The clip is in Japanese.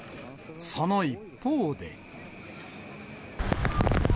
その一方で。